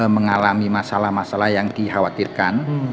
mengalami masalah masalah yang dikhawatirkan